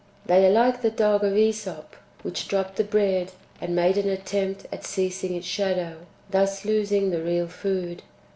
They are like the dog of 2Esop, which dropped the bread, and made an attempt at seizing its shadow, thus losing the [real] food.